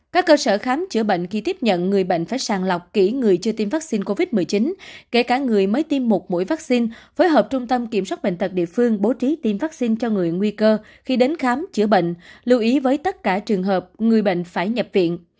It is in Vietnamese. các cơ sở khám chữa bệnh khi tiếp nhận người bệnh phải sàng lọc kỹ người chưa tiêm vaccine covid một mươi chín kể cả người mới tiêm một mũi vaccine phối hợp trung tâm kiểm soát bệnh tật địa phương bố trí tiêm vaccine cho người nguy cơ khi đến khám chữa bệnh lưu ý với tất cả trường hợp người bệnh phải nhập viện